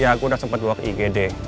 ya aku udah sempet buat igd